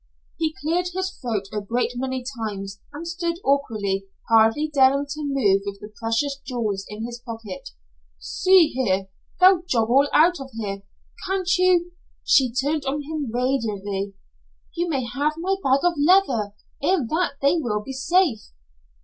He cleared his throat a great many times, and stood awkwardly, hardly daring to move with the precious jewels in his pocket. "See here. They'll joggle out of here. Can't you " She turned on him radiantly. "You may have my bag of leather. In that will they be safe."